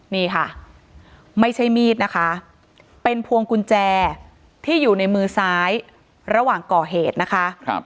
นี่ค่ะไม่ใช่มีดนะคะเป็นพวงกุญแจที่อยู่ในมือซ้ายระหว่างก่อเหตุนะคะ